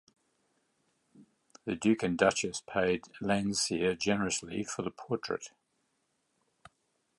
The duke and duchess paid Landseer generously for the portrait.